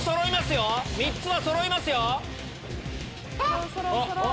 ３つはそろいますよ。